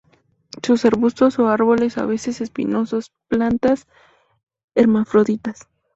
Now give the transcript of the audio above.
Son arbustos o árboles, a veces espinosos; plantas hermafroditas.